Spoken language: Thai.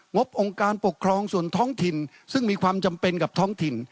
บองค์การปกครองส่วนท้องถิ่นซึ่งมีความจำเป็นกับท้องถิ่น